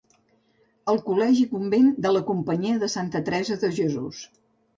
El Col·legi-convent de la Companyia de Santa Teresa de Jesús.